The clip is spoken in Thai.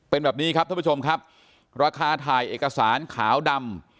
เป็นแบบนี้ครับท่านผู้ชมครับราคาถ่ายเอกสารขาวดำ